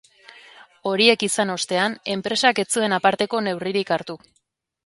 Horiek izan ostean, enpresak ez zuen aparteko neurririk hartu.